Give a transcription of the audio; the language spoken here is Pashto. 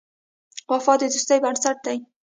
وفا د دوستۍ بنسټ دی.